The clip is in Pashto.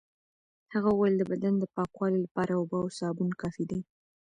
هغه وویل د بدن د پاکوالي لپاره اوبه او سابون کافي دي.